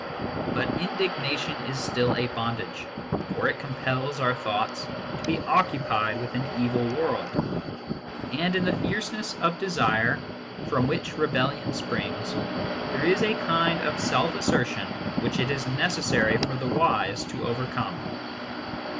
But indignation is still a bondage, for it compels our thoughts to be occupied with an evil world ; and in the fierceness of desire from which rebellion springs there is a kind of self assertion which it is necessary for the wise to overcome.